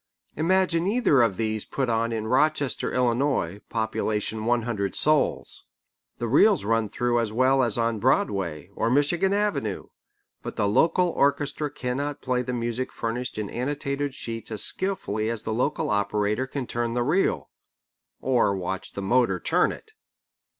Imagine either of these put on in Rochester, Illinois, population one hundred souls. The reels run through as well as on Broadway or Michigan Avenue, but the local orchestra cannot play the music furnished in annotated sheets as skilfully as the local operator can turn the reel (or watch the motor turn it!).